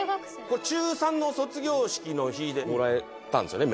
中３の卒業式の日でもらえたんですよね